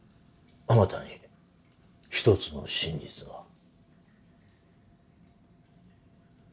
あなたに一つの真実が。